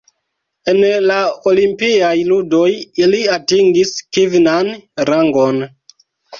En la Olimpiaj ludoj ili atingis kvinan rangon.